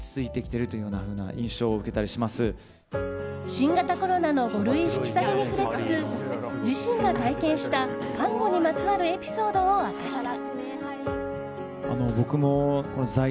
新型コロナの５類引き下げに触れつつ自身が体験した、看護にまつわるエピソードを明かした。